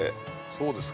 ◆そうですか。